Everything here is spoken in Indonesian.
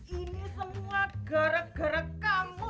ini semua gara gara kamu